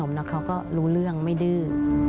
การทำกระหนมเขาก็รู้เรื่องไม่ดื้อ